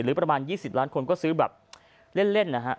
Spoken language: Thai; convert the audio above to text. ประมาณ๒๐ล้านคนก็ซื้อแบบเล่นนะฮะ